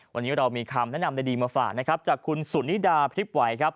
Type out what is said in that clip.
วันนี้เรามีคำแนะนำในดีมาฝากจากคุณสุนิดาพริบไว